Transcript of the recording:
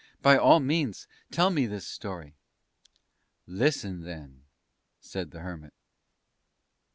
"By all means tell me this Story!" "Listen, then," said the Hermit.